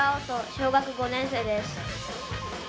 小学５年生です。